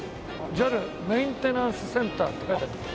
「ＪＡＬメインテナンスセンター」って書いてあります。